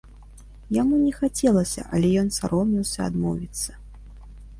Яму не хацелася, але ён саромеўся адмовіцца.